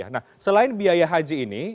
nah selain biaya haji ini